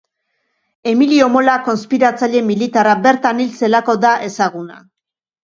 Emilio Mola konspiratzaile militarra bertan hil zelako da ezaguna.